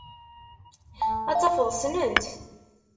Ad tafeḍ ssnen-tt.